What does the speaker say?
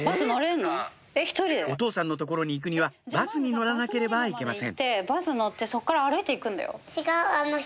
お父さんの所に行くにはバスに乗らなければいけません